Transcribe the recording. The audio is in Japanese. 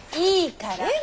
いいから！